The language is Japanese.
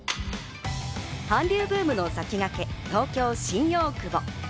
韓流ブームの先駆け、東京・新大久保。